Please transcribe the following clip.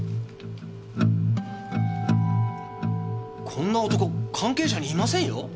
こんな男関係者にいませんよ？